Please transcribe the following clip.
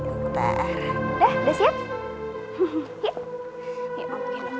udah udah siap